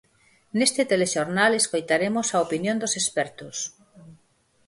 Neste telexornal escoitaremos a opinión dos expertos.